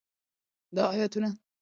دا آیتونه د خالق په قدرت دلالت کوي.